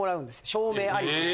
照明ありきで。